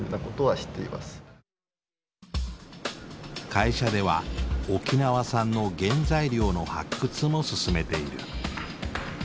会社では沖縄産の原材料の発掘も進めている。